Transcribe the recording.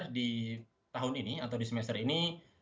dan kemudian di tahun ini atau di semester ini